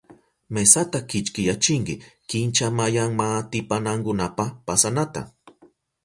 Mesata kichkiyachinki kincha mayanmaatipanankunapa pasanata.